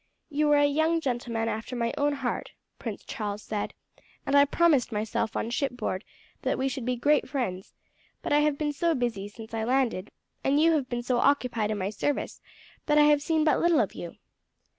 "You are a young gentleman after my own heart," Prince Charles said, "and I promised myself on shipboard that we should be great friends; but I have been so busy since I landed, and you have been so occupied in my service, that I have seen but little of you.